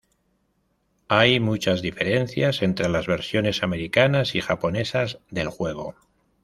Hay muchas diferencias entre las versiones americanas y japonesas del juego.